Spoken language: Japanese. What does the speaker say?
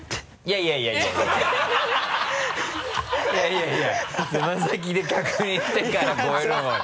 いやいやつま先で確認してから越えるのは。